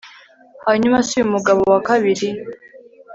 hanyuma se uyu mugabo wa kabiri